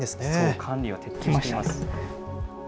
管理は徹底してます。